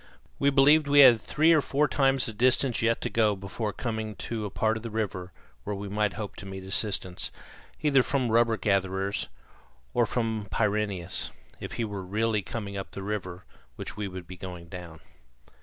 We believed we had three or four times the distance yet to go before coming to a part of the river where we might hope to meet assistance, either from rubber gatherers, or from Pyrineus, if he were really coming up the river which we were going down.